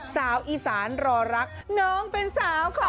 สาวอีสานรอรักน้องเป็นสาวค่ะ